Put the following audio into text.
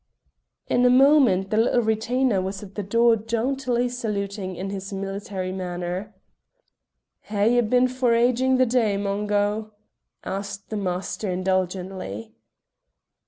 In a moment the little retainer was at the door jauntily saluting in his military manner. "Hae ye been foraging the day, Mungo?" asked the master indulgently.